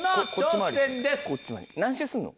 何周すんの？